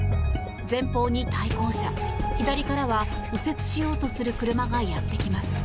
前方に対向車左からは右折しようとする車がやってきます。